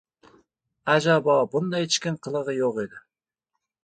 Ajabo, bundaychikin qilig‘i yo‘q edi...